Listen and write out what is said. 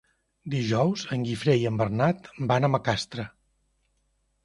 Dijous en Guifré i en Bernat van a Macastre.